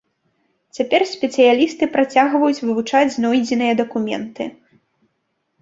Цяпер спецыялісты працягваюць вывучаць знойдзеныя дакументы.